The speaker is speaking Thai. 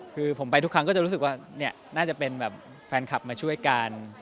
คือผมไปทุกครั้งก็จะรู้สึกว่าน่าจะเป็นแบบแฟนคลับมาช่วยกัน